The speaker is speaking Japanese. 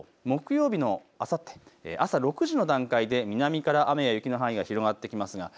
木曜日、朝６時の段階で南から雨や雪の範囲が広がってきます。